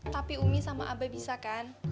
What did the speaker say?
tapi umi sama abai bisa kan